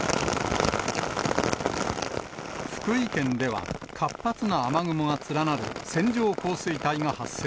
福井県では、活発な雨雲が連なる線状降水帯が発生。